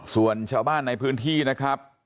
ส่วนชาวบ้านในพื้นที่นะครับ